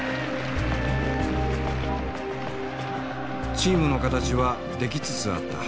チームの形はできつつあった。